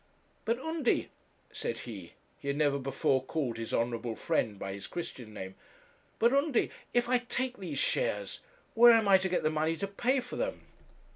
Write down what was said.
'But, Undy,' said he he had never before called his honourable friend by his Christian name 'but, Undy, if I take these shares, where am I to get the money to pay for them?